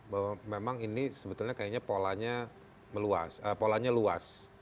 bahwa memang ini sebetulnya kayaknya polanya luas